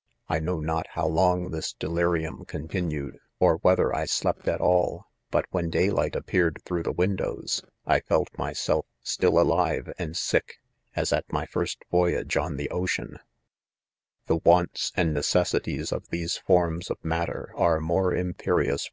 < I know not how long this delirium contin ued, or whether I slept at all ;. hut when day* light appeared through the windows, I f^lt my self still alive and sick, as at my first voyage on the ocean* £ The wants and necessities of these forms of matter are more imperious.